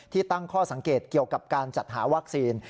ตั้งข้อสังเกตเกี่ยวกับการจัดหาวัคซีน